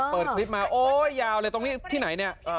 เปิดคลิปมาโอ๊ยยาวเลยตรงนี้ที่ไหนเนี่ย